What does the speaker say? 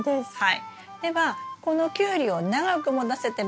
はい。